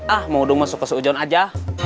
ah mau dukung masuk ke seujuan aja